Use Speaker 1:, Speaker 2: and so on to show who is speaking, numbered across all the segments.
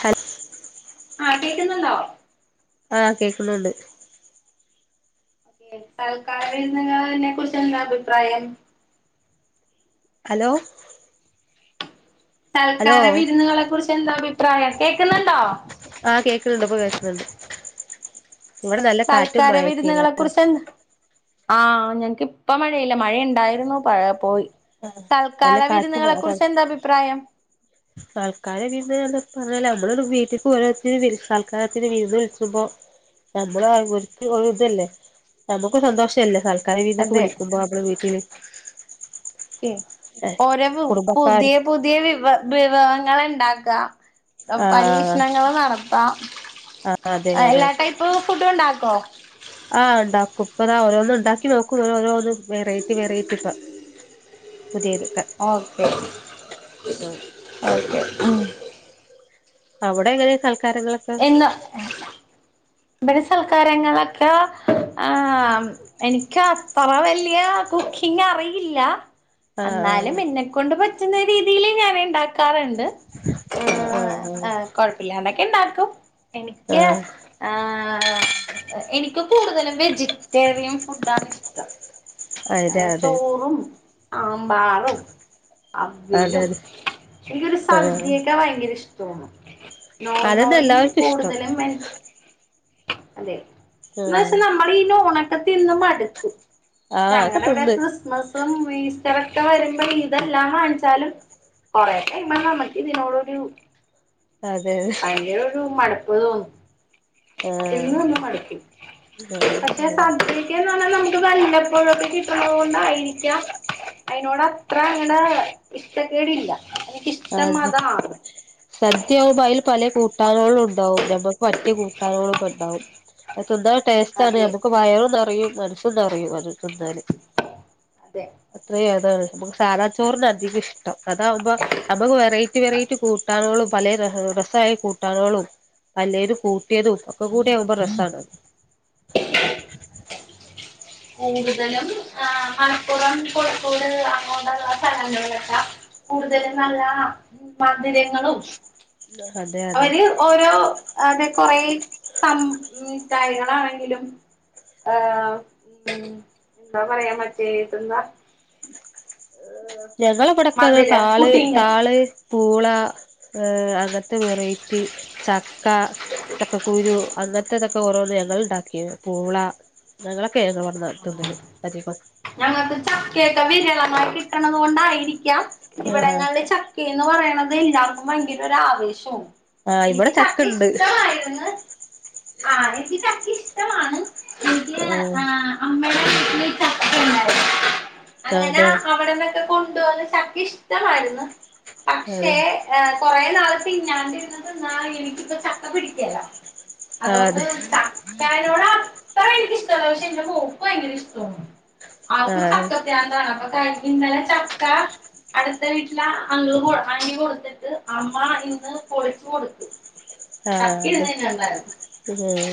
Speaker 1: ഹല്
Speaker 2: കേക്ക്ന്നുണ്ടോ
Speaker 1: ആഹ് കേക്ക്ന്നുണ്ട്
Speaker 2: ഓക്കെ സൽക്കാര [unintelligible] കുറിച്ചേന്താ അഭിപ്രായം
Speaker 1: ഹലോ ഹലോ
Speaker 2: സൽക്കാര വിര്ന്ന്കളെ കുറിച്ച് എന്താ അഭിപ്രായം കേക്ക്ന്ന്ണ്ടോ
Speaker 1: ആഹ് കേക്കന്ന്ണ്ട് ഇപ്പൊ കേക്ക്ന്നുണ്ട്
Speaker 2: സൽക്കാര വിര്ന്നുകളെ കുറിച്ചേന്താ ആഹ് ഞങ്ങക്ക് ഇപ്പ മഴയില്ല മഴ ഇണ്ടായിരുന്നു പ പോയി
Speaker 1: നല്ല
Speaker 2: സൽക്കാര
Speaker 1: കാറ്റും
Speaker 2: വിര്ന്ന്കളെ കുറിച്ച് എന്താ അഭിപ്രായം
Speaker 1: സൽക്കാര വീര്ന്ന് എന്ന് പറഞ്ഞാല് നമ്മള് വീട്ടീക്ക് ഓരോര്ത്തരിം വിളി സൽക്കാരത്തിന് വീര്ന്ന് വിളിച്ച്മ്പോ നമ്മള് ഒരുത്തി ഒരു ഇതല്ലേ നമുക്ക്‌ സന്തോഷം അല്ലേ ആദ്യം. കറി വിരുന്ന് ഒക്കെ
Speaker 2: അതെ
Speaker 1: വിളിക്കുമ്പോ നമ്മുടെ വീട്ടില്.
Speaker 2: ഏഹ് ഓരോ പു
Speaker 1: കുടുംബക്കാർ
Speaker 2: പുതിയ പുതിയ വിഭ വിഭവങ്ങൾ ഇണ്ടാക്കാം. അ
Speaker 1: ആഹ്
Speaker 2: പരീക്ഷണങ്ങള് നടത്താം
Speaker 1: ആഹ് അതെ അതെ
Speaker 2: എല്ലാ ടൈപ്പ് ഫുഡും ഉണ്ടാക്കോ
Speaker 1: ആഹ് ഉണ്ടാക്കും ഇപ്പതാ ഓരോന്നും ഉണ്ടാക്കി നോക്കും ഇങ്ങനൊരോന്ന് വെറൈറ്റി വെറൈറ്റിപ്പം
Speaker 2: ഓക്കെ ഓക്കെ ഉം
Speaker 1: അവിടെ എങ്ങനെ സൽക്കാരങ്ങളൊ
Speaker 2: എന്ന് ഇബടെ സൽക്കാരങ്ങളൊക്കെ ആഹ് എനിക്കത്ര വല്യ കുക്കിങ് അറിയില്ല എന്നാലും
Speaker 1: ആഹ്
Speaker 2: എന്നെക്കൊണ്ട് പറ്റ്ന്ന രീതീല് ഞാന് ഇണ്ടാക്കാറ്ണ്ട് ഏഹ് ആഹ് കൊഴപ്പിലാണ്ടൊക്കെ ഇണ്ടാക്കും
Speaker 1: ആഹ്
Speaker 2: എനിക്ക്
Speaker 1: ആഹ്
Speaker 2: ആഹ് എനിക്ക് കൂടുതലും വെജിറ്റേറിയൻ ഫുഡാണ് ഇഷ്ടം.
Speaker 1: അതെ
Speaker 2: ആഹ്
Speaker 1: അതെ
Speaker 2: ചോറും ആമ്പാറും.
Speaker 1: അതെ
Speaker 2: അവിയലും
Speaker 1: അതെ
Speaker 2: എനിക്കൊരു
Speaker 1: ആഹ്
Speaker 2: സദ്യയൊക്കെ ഭയങ്കര ഇഷ്ടാണ്.
Speaker 1: അതന്നെ
Speaker 2: നോണുനോട്‌
Speaker 1: എല്ലാവർക്കും ഇഷ്ടം
Speaker 2: കൂടുതലും എനിക്ക്. അതെ
Speaker 1: ആഹ്
Speaker 2: എന്നുവെച്ചാൽ നമ്മളീ നോൺ ഒക്കെ തിന്ന് മടുക്കും.
Speaker 1: ആഹ് അതൊക്കെ
Speaker 2: ഞങ്ങടെ ഇവിടെ
Speaker 1: തിന്ന്
Speaker 2: ക്രിസ്മസും ഈസ്റ്റയൊക്കെ വരുമ്പോ ഇതെല്ലാം വാങ്ങിച്ചാലും. കൊറെയൊക്കെ ഇന്ന് നമുക്ക് നമുക്ക് ഇതിനോടൊരു ഒരു
Speaker 1: അതെ
Speaker 2: വലിയൊരു മടുപ്പ് തോന്നും.
Speaker 1: ആഹ്
Speaker 2: തിന്നു തിന്നു മടക്കും പക്ഷെ സദ്യ. സദ്യന്ന് പറഞ്ഞാൽ നമുക്ക് വല്ലപ്പോഴൊക്കെ കിട്ടണോണ്ടായിരിക്കാം. അയിനോട് അത്ര അങ്ങട് ഇഷ്ടക്കേടില്ല എനിക്കിഷ്
Speaker 1: അതെ സദ്യ ആകുമ്പോ അയിൽ പല കൂട്ടാനുകളുയുണ്ടാവും നമുക്ക് പറ്റിയ കൂട്ടാനുകളൊക്കെ ഉണ്ടാവും. അത് തിന്നാൽ ടേസ്റ്റാണ്,
Speaker 2: അതെ
Speaker 1: നമുക്ക് വയറും നെറയും മനസ്സും നിറയും അത് തിന്നാല്.
Speaker 2: അതെ
Speaker 1: അത്രയും അതാണ് നമുക്ക് സാധാ ചോറിന് അധികം ഇഷ്ടം അതാകു ആകുമ്പോ നമ്മക്ക് വെറൈറ്റി വെറൈറ്റി കൂട്ടാനോളും പലേ രഹാ രസായി കൂട്ടാനോളും പല്ലേതും കൂ ട്ടിയതും ഒക്കെകൂടിയാവുമ്പോ രസാണ്
Speaker 2: [inaudible] കൂടുതലും ആ മലപ്പുറം കോഴിക്കോട് അങ്ങോട്ടുള്ള സ്ഥലങ്ങളിലെല്ലാം - കൂടുതലും നല്ലതാ മധുരങ്ങളും-
Speaker 1: ഒട്ടും അതെ അതെ
Speaker 2: അവര് ഓരോ അതെ കൊറേ സം തൈകള് ആണെങ്കിലും - ആഹ് എന്താ പറയാ മറ്റേതെന്താ- [unintelligible]
Speaker 1: ഞങ്ങള് ഇവിടെയൊക്കെ
Speaker 2: മധുര
Speaker 1: താള്
Speaker 2: പുഡിങ്
Speaker 1: താള്- പൂള അങ്ങത്തെ വെറൈറ്റി- ചക്ക ചക്കക്കുരു അങ്ങനത്തെതൊക്കെ ഓരോന്ന് ഞങ്ങള് ഇണ്ടാക്കിയത് പൂള- ഞങ്ങളൊക്കെ [unintelligible] ട് ന്നാ ത് ന്ന [unintelligible] ല് അധികോം
Speaker 2: ഞങ്ങക്ക് ചക്കയൊക്കെ വിരളമായി കിട്ടണതോണ്ടായിരിക്കാം
Speaker 1: ആഹ്
Speaker 2: ഇവിടങ്ങളില് ച ക്കെന്ന് പറയണതേ എല്ലാവർക്കും ഭയങ്കര ഒരു ആവേശാണ്
Speaker 1: ആഹ്
Speaker 2: എനിക്ക്
Speaker 1: ഇവിടെ
Speaker 2: ചക്ക
Speaker 1: ചക്കണ്ട്
Speaker 2: ഇഷ്ടമായിരുന്ന് ആഹ് എനിക്ക് ചക്ക ഇഷ്ടമാണ് എനിക്ക്
Speaker 1: ആഹ്
Speaker 2: ആ- അങ്ങനെ
Speaker 1: അതെ
Speaker 2: അവിടെന്നൊക്കെ കൊണ്ടവന്ന് ചക്ക ഇഷ്ടമായിരുന്ന്
Speaker 1: അതെ
Speaker 2: പക്ഷേ കൊറേ നാള് തിന്നാണ്ടിരുന്ന് തിന്നാ എനിക്കിപ്പ ചക്ക പിടിക്കേലാ
Speaker 1: ആഹ്
Speaker 2: അതോണ്ട്
Speaker 1: അതെ
Speaker 2: ചക്കെനോട് അത്രയെനിക്ക് ഇഷ്ടല്ല പക്ഷെ എന്റെ മോൾക് ഭയങ്കര ഇഷ്ട്ടാണ് അവക്ക്
Speaker 1: ആഹ്
Speaker 2: ചക്ക പ്രാന്താണ് അപ്പൊ കഴിഞ്ഞ് ഇന്നലെ ചക്ക- അടുത്ത വീട്ടിലാ ആ അങ്കിള് അന്റി കൊടുത്തിട്ട് അമ്മ ഇന്ന് പൊളിച്ചു കൊടുത്തു
Speaker 1: ആ
Speaker 2: ചക്ക
Speaker 1: അതെ
Speaker 2: ഇരുന്ന് തിന്നുണ്ടായിരുന്നു
Speaker 1: ഉം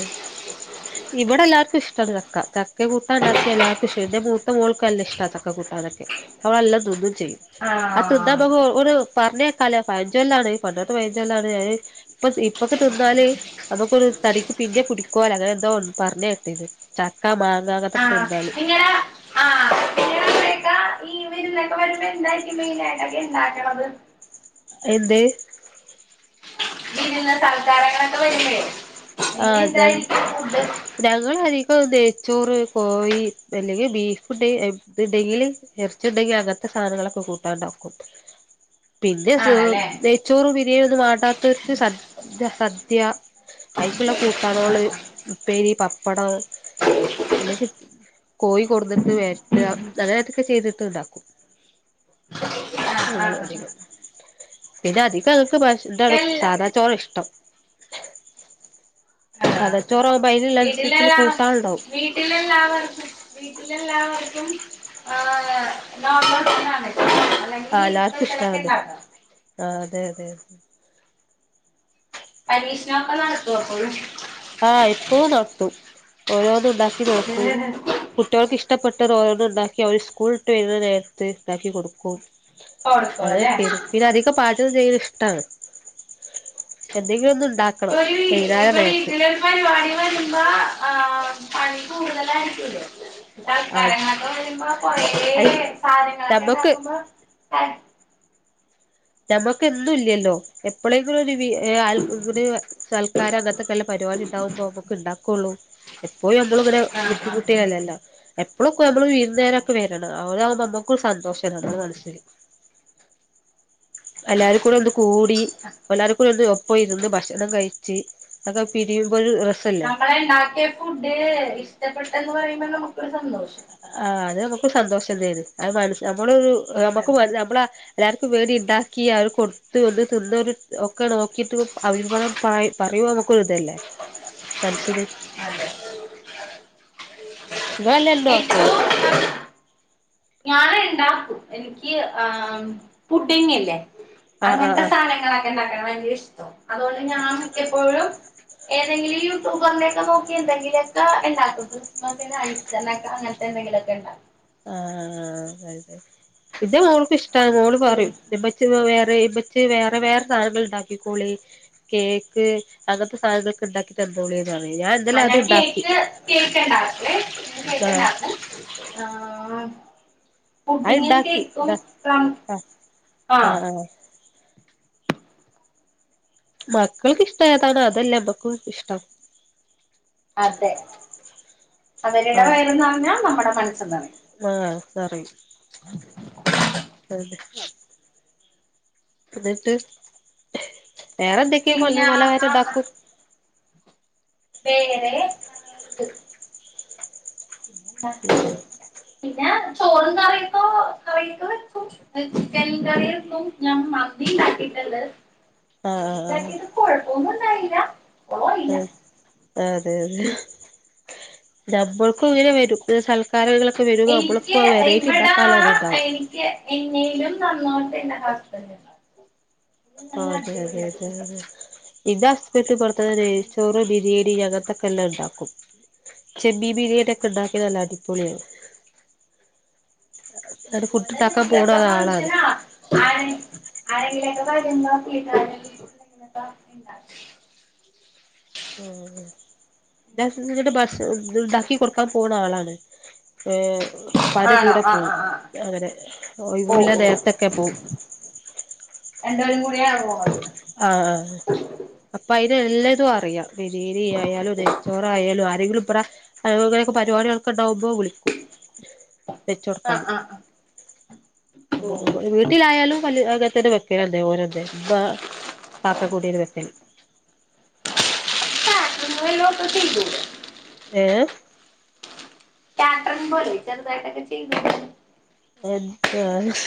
Speaker 1: ഇവിടെ എല്ലാരു - എനിക്ക് ഇഷ്ട്ടാണ് ചക്ക ചക്കകൂ കൂട്ടാൻ ഇക്കാണ്ടാക്കിയ എല്ലാർക്കും ഇഷ്ട്ട എന്റെ മൂത്തമോക്ക്‌ നല്ല ഇഷ്ട ചക്ക കൂട്ടാനൊക്കെ അവള് നല്ലാ തിന്നും ചെയ്യും അത് തിന്നാ
Speaker 2: ആഹ്
Speaker 1: നമ്മക്ക് ഒരു പറഞ്ഞകേക്കലോ പഴചൊല്ലാണ് പണ്ടെത്തെ പഴഞ്ചൊല്ലാണ് ഇപ്പൊ ഇപ്പൊക്കെ തിന്നാല് നമുക്കൊരു തടിക്ക് പിന്നെ പിടിക്കോലൊ അങ്ങനെ എന്തോ പറഞ് കെട്ടേക്കണ് ചക്കാ മാങ്ങാ അങ്ങനെതെക്കെ തിന്നാല് -
Speaker 2: ആ [unintelligible] ആ ഈ വിരുന്നൊക്കെ വരുമ്പോ എന്തായിരിക്കും മെയിനായിട്ടൊക്കെ ഇണ്ടാക്കണത്
Speaker 1: എന്ത്
Speaker 2: [unintelligible] സൽക്കാരങ്ങളൊക്കെ വേണ്ടേ
Speaker 1: ആഹ് ജം ഞങ്ങള് അധികം നെയ്ച്ചോറ് കോഴി അല്ലെങ്കി ബീഫ്ണ്ടെല് ഇത്ണ്ടെങ്കില് എറച്ചിണ്ടെങ്കി അങ്ങനത്തെ സാനങ്ങളൊക്കെ കൂട്ടാണ്ടാക്കും പിന്നെ
Speaker 2: ആണല്ലേ
Speaker 1: നെയ്ച്ചോറും ബിരിയാണി നൊന്നും വാണ്ടത്തോര്ക് സദ്യ സദ്യ അയ്ക്ള്ള കൂട്ടാനള് ഉപ്പേരി പപ്പടം എല്ലകി കോഴികൊടുന്നിട്ട് വര്ട്ട അങ്ങനതൊക്കെ ചെയ്തിട്ട്ണ്ടാക്കും
Speaker 2: ആഹ് ആഹ്
Speaker 1: ഞങ്ങള്
Speaker 2: ആഹ്
Speaker 1: അധികം പിന്നെ അധികങ്ങക്ക് ഇതാണ്
Speaker 2: എല്ലാ
Speaker 1: സാധാചോറ ഇഷ്ടം
Speaker 2: ആഹ്
Speaker 1: സാധാച്ചോറവുമ്പ അയ്ന്ള്ള അനുസരിച്ചിള്ള കൂട്ടാണ്ടാവും.
Speaker 2: ഇല്ലല്ലാ വർക്ക വീട്ടിലെല്ലാവർക്കും ഹ് നോർമൽഫുഡാണ്.
Speaker 1: ആ
Speaker 2: അല്ലെങ്കി
Speaker 1: എല്ലാർക്കും ഇഷ്ടാണത്
Speaker 2: പൈസലക്കെണ്ടാലൊ
Speaker 1: ആ അതെ അതെ അതെ
Speaker 2: പരീഷണങ്ങൾ നടത്തൊ എപ്പോഴും
Speaker 1: ആഹ എപ്പൊഴുംനടത്തും ഓരോന്നുഉണ്ടാക്കി നോക്കും കുട്ടികൾക്ക് ഇഷ്ടപ്പെട്ടത് ഓരോന്ന്ണ്ടാക്കി അവര് സ്കൂൾട്ട് വരുന്നനേരത്ത് ണ്ടാക്കികൊടുക്കും.
Speaker 2: കൊടുക്കും അല്ലേ
Speaker 1: അതൊക്കെന് പിന്ന അധികം പാചകംചെയ്യല് ഇഷ്ടാണ്. എന്തെങ്കിലും ഒന്ന്ണ്ടാക്കണം വെന്നാരനേര്ത്ത്
Speaker 2: പരിവാടി വരുമ്പോ ആ പണി കൂടുതലായിരിക്കൊല്ലോ
Speaker 1: ആ
Speaker 2: തക്കാരങ്ങളൊക്കെ വരുമ്പോ കൊറേ
Speaker 1: അത് നമ്മക്ക്
Speaker 2: സാധനങ്ങളൊക്കെണ്ടാക്കുമ്പോ ത
Speaker 1: നമുകെന്നുല്ലല്ലോ എപ്പളേങ്കിലും ഒരു വി ആൾക്ക ഇ സൽക്കാരം അങ്ങനത്തെക്കെല്ല പരിവാടിണ്ടാവുമ്പോ അമ്മക്ക് ഇണ്ടാക്കൊള്ളൂ എപ്പോഴും മ്മള്ഇങ്ങനെ
Speaker 2: ആഹ്
Speaker 1: ബുദ്ധിമുട്ടിയല്ലല്ലോ എപ്പളുക്കെ നമ്മള് വിര്ന്നേരൊക്കെ വെരണം അവരാവുമ്പോ മ്മക്കു സന്തോഷാണ് നമ്മളെ മനസ്സില് എല്ലാരുകൂടെ ഒന്ന്കൂടി എല്ലാരുക്കു ഒന്ന് ഒ ഒപ്പം ഇരുന്ന് ഭക്ഷണംകഴിച്ച് അക്കെ പിരിയുമ്പോ ഒരു രസല്ലേ
Speaker 2: നമ്മളണ്ടാക്കിയ ഫുഡ് ഇഷ്ടപ്പെട്ടെന്ന് പറയുമ്പ നമുക്കൊരു സന്തോഷം
Speaker 1: ആഹ് അത് നമുക്ക് സന്തോഷം തരും അത് മനസ്സ് നമ്മള് മ്മക്ക്
Speaker 2: അതെ
Speaker 1: നമ്മള എല്ലാര്ക്കും വേണ്ടി ഇണ്ടാക്കി അഹ് കൊട്ത്ത് വെന്ന് തിന്നൊരു ഒക്കെ നോക്കിട്ട് അഭിപനം പറയുമോ നമുക്കൊരിതല്ലേ മനസ്സിന്
Speaker 2: അതെ
Speaker 1: ഇങ്ങല്ല എല്ലു ആക്കൊ
Speaker 2: ഞാന് ഇണ്ടാക്കും എനിക്ക് ആഹ് പുഡിങ്ങല്ലേ
Speaker 1: ആഹ് ആഹ്
Speaker 2: അങ്ങനത്തെ സാനങ്ങളൊക്കെണ്ടാക്കാൻ ഭയങ്കരഇഷ്ട അതോണ്ട് ഞാൻ മിക്ക എപ്പോഴും ഏതെങ്കിലും യൂട്യൂബറിന്റെക്കെ നോക്കി എന്തെങ്കിലൊക്കെ ഇണ്ടാക്കും ക്രിസ്മസിന് ഐസ്നക്ക അങ്ങൻത്തെന്തങ്കിലൊക്കെ ഇണ്ടാവും.
Speaker 1: ആഹ ആഹ് ആഹ് അതെ ഇന്റെ മോൾക്ക് ഇഷ്ട മോള്
Speaker 2: ശരി
Speaker 1: പറയും ഇമ്മ ച്ചി വേറെ ഇമ്മച്ചി വേറെവേറെ സാനങ്ങൾണ്ടാക്കിക്കോളി കേക്ക് അങ്ങൻത സാനങ്ങൾക്കെണ്ടാ തന്നോളി പറി ഞാൻ
Speaker 2: ആ
Speaker 1: ഇന്നലെ അത്
Speaker 2: ഞാൻ
Speaker 1: ഇണ്ടാക്കി
Speaker 2: കേക്ക് കേക്ക്ണ്ടാക്കൊ ഞാൻ
Speaker 1: ആഹ്
Speaker 2: കേക്ക്ണ്ടാക്കും ആഹ്
Speaker 1: അത്
Speaker 2: പുഡിങ്ങോ,
Speaker 1: ഇണ്ടാക്കി
Speaker 2: കേക്കോ
Speaker 1: ഇണ്ടാ
Speaker 2: ഇഷ്ടം?
Speaker 1: ആഹ്
Speaker 2: ആഹ്
Speaker 1: മക്കൾക്ക് ഇഷ്ടേതാണ് അതല്ലേ അമ്മക്കൂ ഇഷ്ടം.
Speaker 2: അതെ അവരുടെ വയറുംനറഞ്ഞ നമ്മടെ മനസ്സും നെറയും
Speaker 1: ആഹ പറിയും അതെ ന്നിട്ട്. വേറെ എന്തക്കെ പൊന്ന്
Speaker 2: പിന്നെ ആ
Speaker 1: പലഹാരണ്ടാക്കും?
Speaker 2: വേറെ പിന്നന്താ
Speaker 1: ഉം
Speaker 2: പിന്നെ ചോറും കറിയക്കൊ കറി ക്കെ വെക്കും ചിക്കൻകറി വെക്കും ഞാൻ മന്തിണ്ടാക്കിട്ട്ണ്ട്
Speaker 1: ആഹ്
Speaker 2: മന്തിണ്ടാക്കിട്ട് കൊഴപ്പൊന്നുണ്ടായില
Speaker 1: ആ അതെ അതെ നമ്മൾക്കും ഇങ്ങനെ വരുംന്ന സ കാരങ്ങളൊക്കെ വരുമ്പോ
Speaker 2: എനിക്ക്
Speaker 1: നമ്മള്‌പ്പോ വെറൈറ്റി
Speaker 2: ഇവിടെ
Speaker 1: ഇണ്ടാക്കാലോ അതുണ്ടാവും
Speaker 2: എനിക്ക് എന്നേലും നന്നായിട്ട് എന്റെ ഹസ്ബൻഡ്ണ്ടാക്കും
Speaker 1: ആഹാ അതെ അതെ അതെ
Speaker 2: കുക്കും
Speaker 1: അതെ എന്റെ ഹസ്ബൻഡ് പട്ത്തെ
Speaker 2: അതുകൊണ്ട്
Speaker 1: നെയ്ചോറ്, ബിരീണി, അങ്ങൻത്തെക്കെല്ലം ഇണ്ടാക്കും ചെമ്മീൻ ബിരിയാണി ഒക്കെ ഉണ്ടാക്കിയാൽ നല്ല അടിപൊളിയാവും അത് പുട്ട്
Speaker 2: അതുകൊണ്ട്
Speaker 1: ഉണ്ടാക്കാൻ
Speaker 2: എന്തെങ്കിലുമൊക്കെ
Speaker 1: കൂടന്ന ആളാണ്
Speaker 2: ഫംഗ്ഷനാ ആരെ ആരെങ്കിലൊക്കെ വരുമ്പളെക്കെയ്ക്കാരം [unintelligible] ഇണ്ടാക്കിയാട്ടെ
Speaker 1: ആഹ ഇന്റെ ഹസ്ബൻഡ് ഭക്ഷണം ഇത് ഇണ്ടാക്കി കൊടുക്കാൻ പോണാളാണ് ഏഹ് ഇപ്പാന്റെ
Speaker 2: ആണോ
Speaker 1: കൂടെ
Speaker 2: ആ
Speaker 1: പോവും
Speaker 2: ആ ആ
Speaker 1: അങ്ങനെ
Speaker 2: ഓ
Speaker 1: ഒഴിവ്ള്ള
Speaker 2: ഓ
Speaker 1: നേരത്തൊക്കെ പോവും
Speaker 2: രണ്ടു പേരും കൂടി ആണോ പോകുന്നത്?
Speaker 1: ആഹ ആ അപ്പയിനെല്ലതു അറിയാ ബിരീണി ആയാലും നെയ്ച്ചോറായാലും അരെങ്കിലുംപ്പറ അ ഇങ്ങനൊക്കെ പരിപാടിളൊക്കെണ്ടാവുമ്പോ വിളിക്കും
Speaker 2: ആ
Speaker 1: വെച്ചൊടുക്കാന്
Speaker 2: ആ ആ
Speaker 1: [inaudible] വട്ടിലായാലും വല അങ്ങനെതന്നെ വെക്കലു തന്നെ ഓരൂതന്നെ പാക്കക്കൂട്ടിയുടെ വെക്കൽ
Speaker 2: [unintelligible]
Speaker 1: ഏഹേ
Speaker 2: കാറ്ററിൻ പോലെ ചെറുതായിട്ടൊക്കെ ചെയ്ത്
Speaker 1: എന്ത് ശ്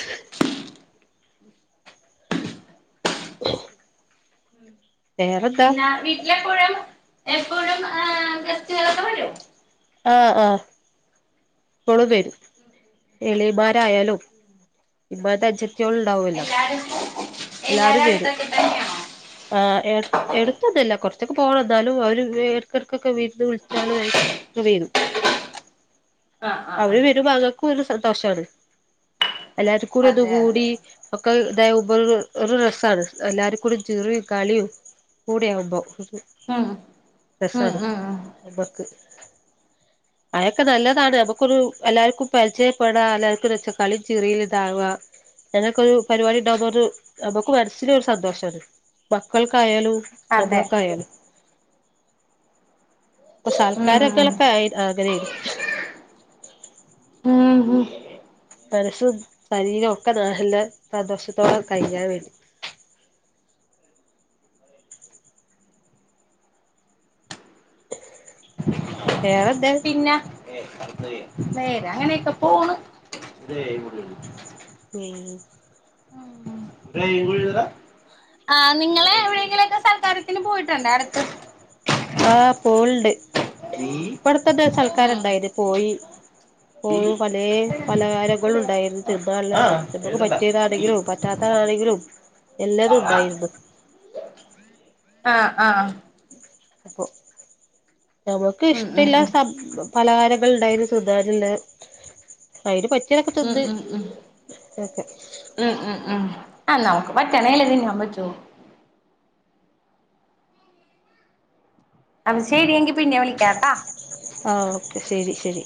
Speaker 1: [unintelligible]
Speaker 2: ഉം
Speaker 1: വേറെന്താ
Speaker 2: പിന്നാ വീട്ടിലെപ്പോഴും എപ്പോഴും ഏഹ് ഗസ്റ്റുകളൊക്കെ വരോ?
Speaker 1: ആ ആഹാ പ്പളും വെരും എളീമാരായാലും ഇമാത്തെ അച്ചത്തിയോള ഉണ്ടാവല്ലോ
Speaker 2: എല്ലാരും
Speaker 1: എല്ലാരും വരൂ
Speaker 2: അടുത്തൊക്കെ തന്നെയാണോ
Speaker 1: ആ എർ എടുത്തൊന്നൊല്ല കൊറച്ചൊക്കെ പോണം എന്നാലും അവര് എട്ക്കെട്കൊക്കെ വീരുന്ന് വിളിച്ചാലും വെരും
Speaker 2: ആഹ് ആഹ്
Speaker 1: അവര്
Speaker 2: ആഹ്
Speaker 1: വെരുമ്പോ അങ്ങക്ക് ഒരു സന്തോഷാണ് എല്ലാർകൂടി
Speaker 2: അതെ അതെ
Speaker 1: ഒന്നുകൂടി ഒക്കെ ഇതായ ഉപ ഒരു രസമാണ് എല്ലാവാരും കൂടിചിറിയും കളിയും കൂടിയാകുമ്പോ
Speaker 2: ഉം ഉം
Speaker 1: രസാണ്
Speaker 2: ഉം ഉം
Speaker 1: നമ്മക്ക് അയൊക്കെ നല്ലതാണ് നമ്മക്ക് [unintelligible] എല്ലാർക്കും പരിചയപ്പെടാ എല്ലാര്കൊരു ഒച്ച കളിചിറിയിലിതാവാ അങ്ങൊക്കെ ഒരു പരിപാടി ഉണ്ടാവുന്നൊരു നമുക്ക് മനസ്സിൽ ഒരു സന്തോഷാണ് മക്കൾക്കായാലും
Speaker 2: അതെ
Speaker 1: നമ്മൾക്കായാലും അപ്പൊ
Speaker 2: ഉം
Speaker 1: സാൽക്കാരൊക്കെ
Speaker 2: ഉം
Speaker 1: എളുപ്പായി അങ്ങനെ ആയി
Speaker 2: ഉം ഉം
Speaker 1: മനസ്സും ശരീരം ഒക്കെ നാഹല്ലേ സന്തോഷത്തോടെ കഴിയാൻ വേണ്ടി വേറെന്തെ?
Speaker 2: പിന്ന നേ അങ്ങനെയൊക്കെ പോണ്
Speaker 1: ഉം
Speaker 2: നിങ്ങള് എവിടെങ്കിലൊക്കെ സൽക്കാര ഇതിന് പോയിട്ടുണ്ട് അടുത്ത്
Speaker 1: ആ പോണുണ്ട് ഇവിടതന്നെ ഒരു സൽക്കാരം
Speaker 2: ഉം
Speaker 1: ഉണ്ടായിരുന്നു. അതിന്പോയി എപ്പോഴും പലേ പലഹാരങ്ങളുണ്ടായിരുന്നു തിന്നാനല്ല നമുക്ക് പറ്റിയതാണെങ്കിലും പറ്റാത്ത ആണെങ്കിലും എല്ലാരും ഉണ്ടായിരുന്നു
Speaker 2: ആഹ് ആഹാ
Speaker 1: അപ്പൊ
Speaker 2: ഉം ഉം
Speaker 1: ഞമ്മക്കിഷ്ടല്ല
Speaker 2: ഉം
Speaker 1: സംഭ പലഹാരങ്ങള്ണ്ടായിനി ത്‌ന്നാന്ള്ളെ അയിന് പറ്റിയതൊക്കെ
Speaker 2: ഉം ഉം
Speaker 1: തിന്ന്
Speaker 2: ഉം ഉം ഉം ഉം ആ നമുക്ക് പറ്റണേല്ലേ തിന്നാൻ പറ്റൂ അത് ശരി എങ്കിപിന്നെ വിളിക്കാട്ടോ
Speaker 1: ആ ഓക്കെ ശരി ശരി